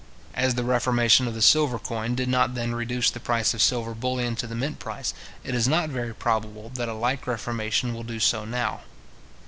As the reformation of the silver coin did not then reduce the price of silver bullion to the mint price, it is not very probable that a like reformation will do so now.